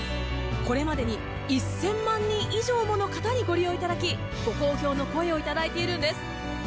これまでに１０００万人以上もの方にご利用いただきご好評の声をいただいているんです。